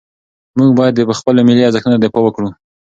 موږ باید د خپلو ملي ارزښتونو دفاع وکړو.